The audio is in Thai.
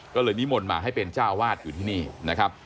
ก็เลยนิมนต์มาให้เป็นเจ้าอาวาสอยู่ที่นี่นะครับ